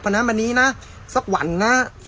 แบบนี้นะสักวันนะ